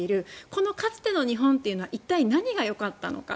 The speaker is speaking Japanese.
このかつての日本は一体何がよかったのか。